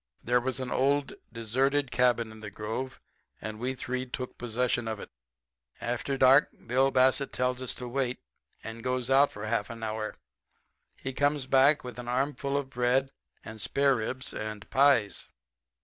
"There was an old, deserted cabin in the grove, and we three took possession of it. After dark Bill Bassett tells us to wait, and goes out for half an hour. He comes back with a armful of bread and spareribs and pies.